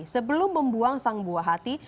sebelum membuang sang buah hati